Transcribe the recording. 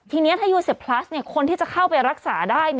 ทีนี้ถ้ายูเซฟพลัสคนที่จะเข้าไปรักษาได้